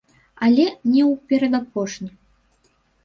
Але не ў перадапошні.